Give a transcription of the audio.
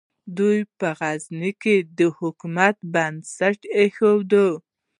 دوی په غزني کې د حکومت بنسټ کېښود.